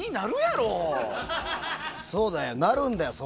そうだよ、なるんだよ。